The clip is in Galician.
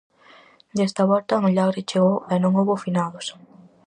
Desta volta a milagre chegou, e non houbo finados.